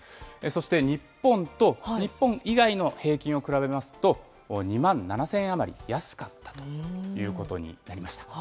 そして、日本と日本以外の平均を比べますと、２万７０００円余り安かったということになりました。